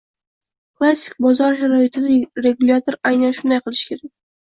Klassik bozor sharoitida regulyator aynan shunday qilishi kerak